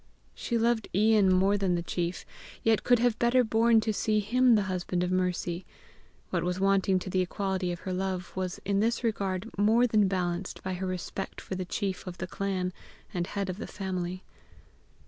She loved Ian more than the chief, yet could have better borne to see him the husband of Mercy; what was wanting to the equality of her love was in this regard more than balanced by her respect for the chief of the clan and head of the family.